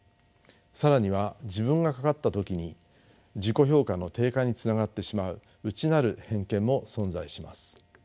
更には自分がかかった時に自己評価の低下につながってしまう内なる偏見も存在します。